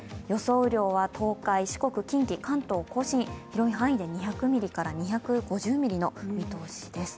雨量は東海、四国、近畿、関東甲信、広い範囲で２００ミリから２５０ミリの見通しです。